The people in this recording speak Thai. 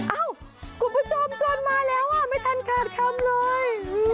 เอ้าคุณผู้ชมชวนมาแล้วอ่ะไม่ทันขาดคำเลย